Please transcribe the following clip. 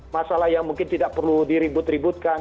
masalah yang mungkin tidak perlu diribut ributkan